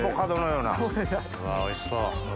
うわおいしそう。